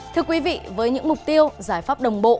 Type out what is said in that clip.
thưa quý vị với những mục tiêu giải pháp đồng bộ